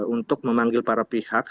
untuk memanggil para pihak